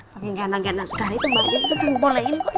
pake gana gana sekali tuh mbak andin tolong bolehin kok